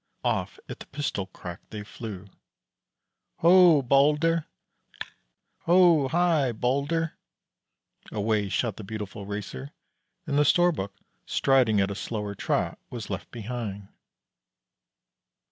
Off at the pistol crack they flew. "Ho, Balder! (cluck!) Ho, hi, Balder!" Away shot the beautiful Racer, and the Storbuk, striding at a slower trot, was left behind.